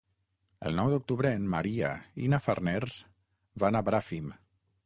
El nou d'octubre en Maria i na Farners van a Bràfim.